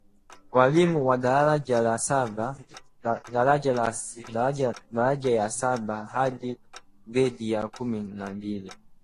walimu wa daraja ya saba hadi gredi ya kumi na mbili